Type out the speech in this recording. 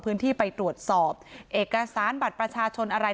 พื้นที่ไปตรวจสอบเอกสารบัตรประชาชนอะไร